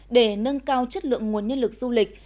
để nâng cao chất lượng nguồn nhân lực du lịch